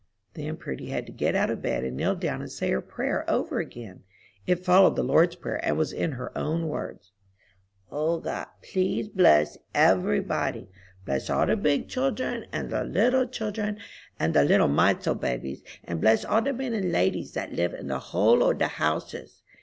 Then Prudy had to get out of bed and kneel down and say her prayer over again. It followed the Lord's Prayer, and was in her own words: "O God, please bless every body. Bless all the big children, and the little children, and the little mites o' babies. And bless all the men and ladies that live in the whole o' the houses."